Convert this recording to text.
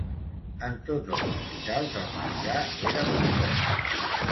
En tots els hospitals el menjar era molt bo